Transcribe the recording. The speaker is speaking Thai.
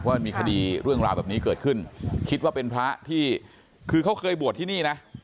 ว่ามีคดีเรื่องราวแบบนี้เกิดขึ้นคิดว่าเป็นพระที่คือเขาเคยบวชที่นี่นะ